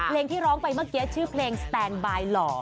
เพลงที่ร้องไปเมื่อกี้ชื่อเพลงสแตนบายหล่อ